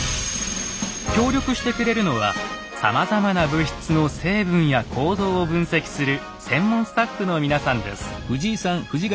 協力してくれるのはさまざまな物質の成分や構造を分析する専門スタッフの皆さんです。